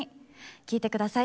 聴いてください。